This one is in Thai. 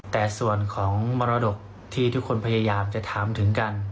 แต่ส่วนของมรดกที่ทุกคนพยายามจะถามถึงกัน